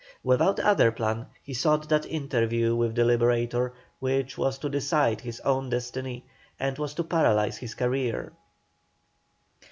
Without other plan, he sought that interview with the Liberator which was to decide his own destiny and was to paralyze his career.